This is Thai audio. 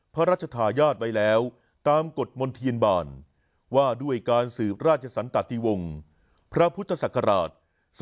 พระราชธาญาติไปแล้วตามกฎมลทียันบาลว่าด้วยการสืบราชสันตะตีวงพระพุทธศักราช๒๔๖๗